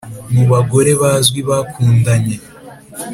mu bagore bazwi bakundanye